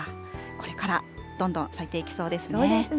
これからどんどん咲いていきそうですね。